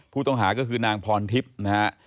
ผู้ต้องหาก็คือนางพรทิพย์นะฮะ